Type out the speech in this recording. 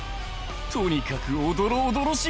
とにかくおどろおどろしいっ！